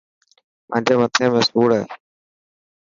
مانجي مٿي ۾ سوڙ هي.